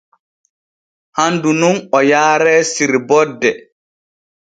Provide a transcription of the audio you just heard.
Handu nun o yaare sirborde.